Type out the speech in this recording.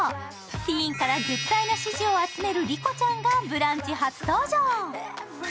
ティーンから絶大な支持を集める莉子ちゃんが「ブランチ」初登場。